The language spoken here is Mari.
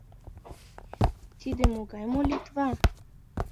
Тиде могай молитва?